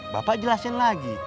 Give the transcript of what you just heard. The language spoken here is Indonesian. bapak jelasin lagi